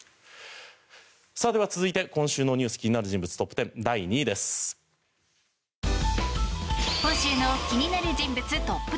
では、続いて今週のニュース気になる人物トップ１０。